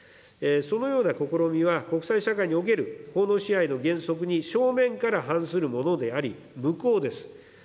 そのような試みは、国際社会における法の支配の原則に正面から反するものであり、無効です。